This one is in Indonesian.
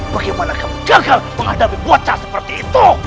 bagaimana kamu gagal menghadapi bocah seperti itu